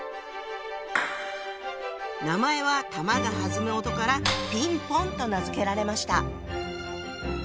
名前は球が弾む音から「ピンポン」と名付けられました。